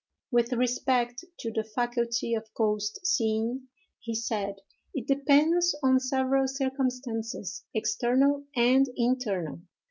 With respect to the faculty of ghost seeing, he said, it depends on several circumstances, external and internal.